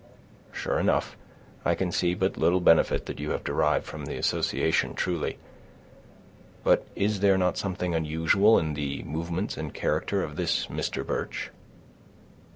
"Sure enough; I can see but little benefit that you have derived from the association, truly. But is there not something unusual in the movements and character of this Mr. Birch?"